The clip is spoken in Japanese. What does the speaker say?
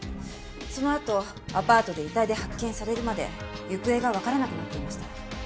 そのあとアパートで遺体で発見されるまで行方がわからなくなっていました。